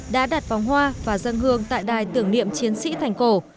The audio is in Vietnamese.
đã đặt vòng hoa và dân hương tại đài tưởng niệm chiến sĩ thành cổ